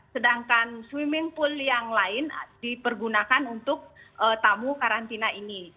sedangkan swimming pool yang lain dipergunakan untuk tamu karantina ini